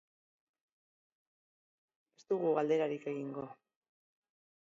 Ez dugu galderarik egingo.